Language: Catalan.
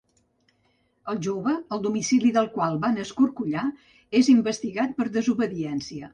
El jove, el domicili del qual van escorcollar, és investigat per desobediència.